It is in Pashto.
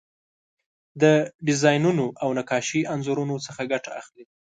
د ډیزاینونو او نقاشۍ انځورونو څخه ګټه اخلي.